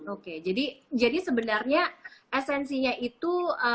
oke jadi sebenarnya esensinya itu